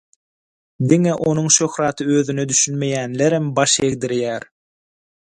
Diňe onuň şöhraty özüne düşünmeýänlerem baş egdirýär.